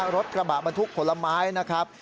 รถบรรทุกผลไม้นะครับ